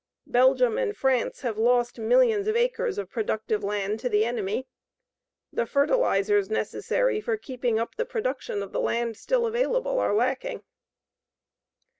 Belgium and France have lost millions of acres of productive land to the enemy. The fertilizers necessary for keeping up the production of the land still available are lacking.